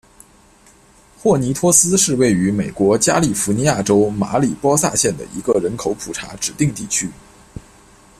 霍尼托斯是位于美国加利福尼亚州马里波萨县的一个人口普查指定地区。